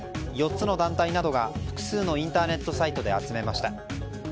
４つの団体などが複数のインターネットサイトで集めました。